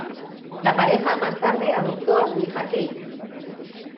La pareja más tarde adoptó a su hija Kate.